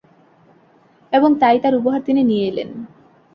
এবং তাই তার উপহার তিনি নিয়ে এলেন।